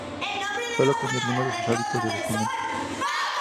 Solo cambió algunos de sus hábitos de vestimenta.